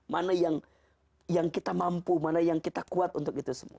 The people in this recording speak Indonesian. mana yang kita mampu mana yang kita kuat untuk itu semua